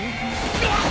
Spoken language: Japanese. うわっ！